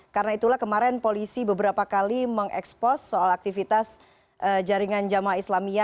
karena itulah kemarin polisi beberapa kali mengekspos soal aktivitas jaringan jamaah islamia